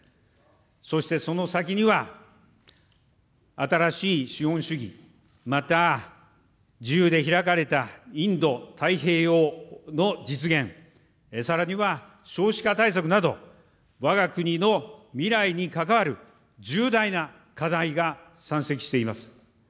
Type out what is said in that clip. そしてその先には、新しい資本主義、また、自由で開かれたインド太平洋の実現、さらには少子化対策など、わが国の未来に関わる重大な課題が山積しています。